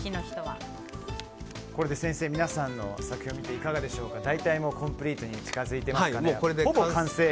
これで先生皆さんの作品を見て大体コンプリートに近づいていますかね。